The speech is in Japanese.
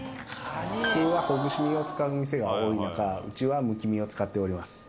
普通はほぐし身を使うお店が多い中、うちはむき身を使っております。